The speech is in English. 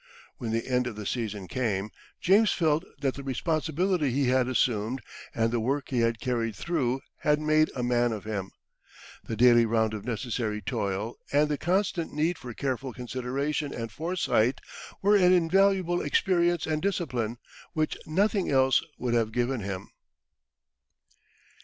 When the end of the season came, James felt that the responsibility he had assumed, and the work he had carried through, had made a man of him. The daily round of necessary toil, and the constant need for careful consideration and foresight, were an invaluable experience and discipline, which nothing else would have given him.